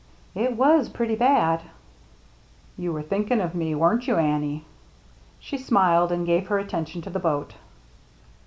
" It was pretty bad." "You were thinking of me, weren't you, Annie?" She smiled and gave her attention to the boat.